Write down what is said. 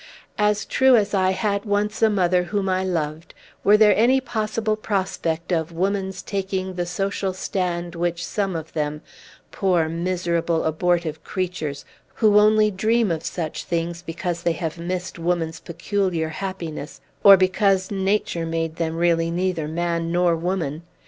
As true as I had once a mother whom I loved, were there any possible prospect of woman's taking the social stand which some of them, poor, miserable, abortive creatures, who only dream of such things because they have missed woman's peculiar happiness, or because nature made them really neither man nor woman!